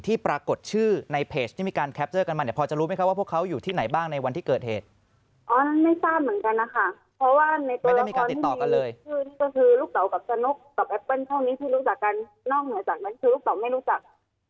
พี่ลูกตากันนอกเหนื่อยจากทั้งคือลูกตาวไม่รู้จัก